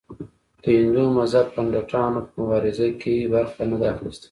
د هندو مذهب پنډتانو په مبارزو کې برخه نه ده اخیستې.